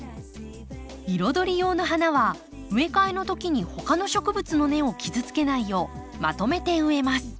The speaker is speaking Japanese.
彩り用の花は植え替えのときにほかの植物の根を傷つけないようまとめて植えます。